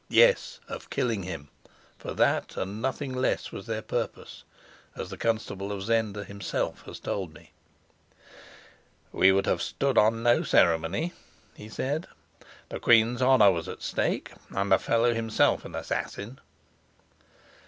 Yes, of killing him; for that and nothing less was their purpose, as the constable of Zenda himself has told me. "We would have stood on no ceremony," he said. "The queen's honor was at stake, and the fellow himself an assassin."